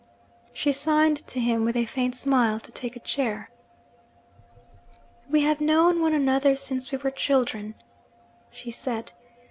She signed to him, with a faint smile, to take a chair. 'We have known one another since we were children,' she said.